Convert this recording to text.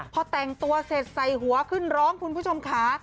พอแต่งตัวเสร็จใส่หัวขึ้นร้องคุณผู้ชมค่ะ